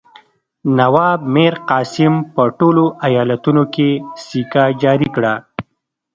نواب میرقاسم په ټولو ایالتونو کې سکه جاري کړه.